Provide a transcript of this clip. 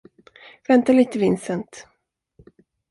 Vänta lite, Vincent!